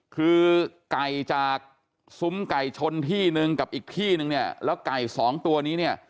คือไก่จากซุ้มไก่ชนที่นึงกับอีกที่นึงเนี่ยแล้วไก่สองตัวนี้เนี่ย